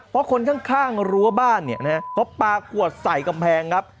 เพราะคนข้างรั้วบ้านเนี่ยนะฮะเขาปลาขวดใส่กำแพงครับ